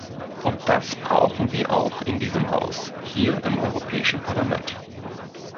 Und das brauchen wir auch in diesem Haus, hier im Europäischen Parlament.